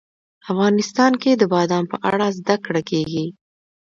افغانستان کې د بادام په اړه زده کړه کېږي.